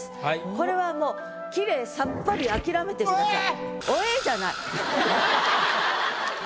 これはもうきれいさっぱり諦めてください。